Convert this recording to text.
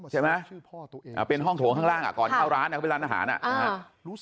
ใช่ไหมเป็นห้องโถงข้างล่างก่อนเข้าร้านเขาเป็นร้านอาหาร